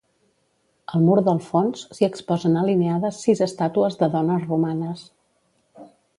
Al mur del fons, s'hi exposen alineades sis estàtues de dones romanes.